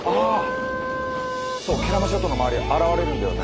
そう慶良間諸島の周り現れるんだよね。